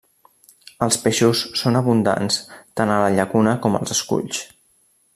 Els peixos són abundants tant a la llacuna com als esculls.